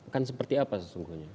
kan seperti apa sesungguhnya